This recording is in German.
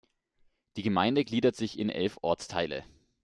Die Gemeinde gliedert sich in elf Ortsteile.